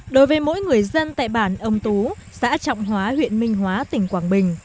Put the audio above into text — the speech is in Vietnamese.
đối với mỗi người dân tại bản âm tú xã trọng hóa huyện minh hóa tỉnh quảng bình